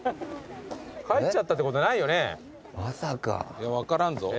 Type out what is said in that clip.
いや分からんぞ。